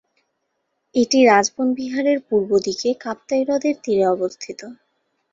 এটি রাজবন বিহারের পূর্ব দিকে, কাপ্তাই হ্রদের তীরে অবস্থিত।